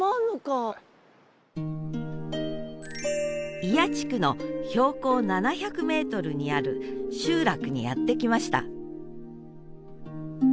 祖谷地区の標高７００ｍにある集落にやって来ました。